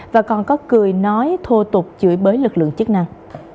và còn có cười nói thô tục chửi bới lực lượng chức năng